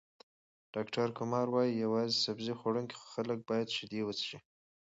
ډاکټر کمار وايي، یوازې سبزۍ خوړونکي خلک باید شیدې وڅښي.